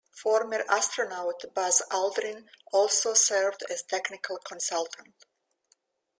Former astronaut Buzz Aldrin also served as technical consultant.